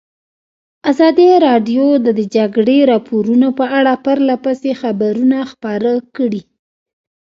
ازادي راډیو د د جګړې راپورونه په اړه پرله پسې خبرونه خپاره کړي.